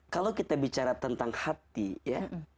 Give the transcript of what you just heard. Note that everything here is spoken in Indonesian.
kalau kita bicara tentang hati ya